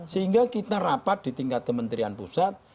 sehingga kita rapat di tingkat kementerian pusat